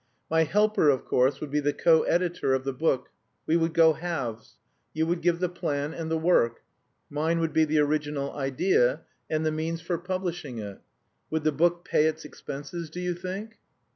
My helper, of course, would be the co editor of the book. We would go halves. You would give the plan and the work. Mine would be the original idea and the means for publishing it. Would the book pay its expenses, do you think?"